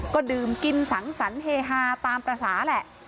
ก็ดื่มกินสังสรรคเฮฮาตามภาษาแหละ